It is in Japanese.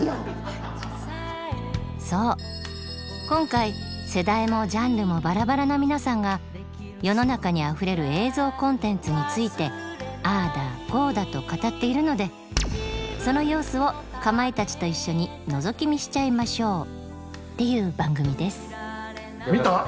今回世代もジャンルもバラバラな皆さんが世の中にあふれる映像コンテンツについてああだこうだと語っているのでその様子をかまいたちと一緒にのぞき見しちゃいましょうっていう番組です見た？